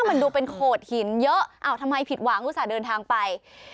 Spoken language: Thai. มันดูเป็นโขดหินเยอะอ้าวทำไมผิดหวังอุตส่าห์เดินทางไป